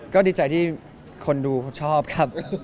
ก็ดีใจที่คนดูเขาชอบครับ